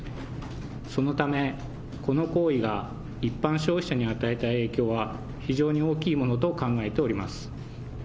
そのため、この行為が一般消費者に与えた影響は、非常に大きいものと考えております。